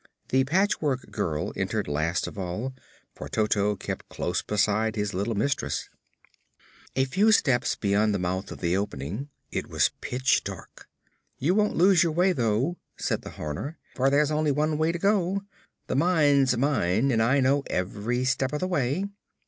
The Patchwork Girl entered last of all, for Toto kept close beside his little mistress. A few steps beyond the mouth of the opening it was pitch dark. "You won't lose your way, though," said the Horner, "for there's only one way to go. The mine's mine and I know every step of the way.